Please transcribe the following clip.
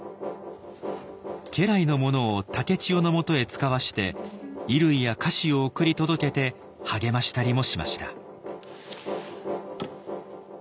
家来の者を竹千代のもとへ使わして衣類や菓子を送り届けて励ましたりもしました。